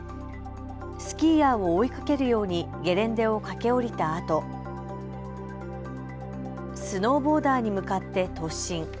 スキーヤーを追いかけるようにゲレンデを駆け下りたあと、スノーボーダーに向かって突進。